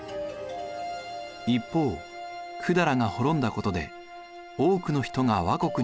一方百済が滅んだことで多くの人が倭国に渡来してきました。